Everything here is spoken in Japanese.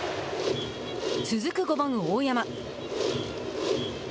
続く、５番大山。